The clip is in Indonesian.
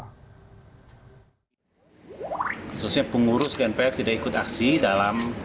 khususnya pengurus gnpf tidak ikut aksi dalam dua satu dua